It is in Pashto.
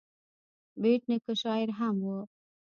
بېټ نیکه شاعر هم و.